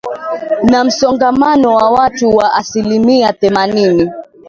na msongamano wa watu wa asilimia themanini